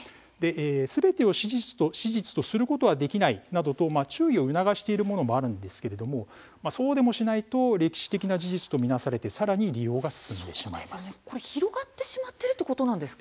すべてを史実とすることはできないなどと注意を促しているものもありますがそうでもしないと歴史的な事実として見なされてさらに利用が進んでしまうということです。